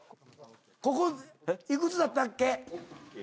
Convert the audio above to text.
ここ幾つだったっけ。